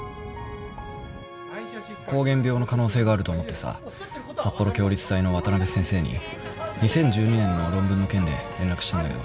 膠原病の可能性があると思ってさ札幌共立大の渡辺先生に２０１２年の論文の件で連絡したんだけど。